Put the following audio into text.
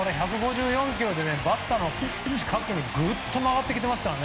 １５４キロでバッターの近くにぐっと曲がってきていますから。